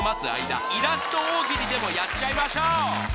間イラスト大喜利でもやっちゃいましょう！